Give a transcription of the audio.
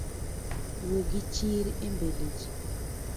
Wuo gichir embele ji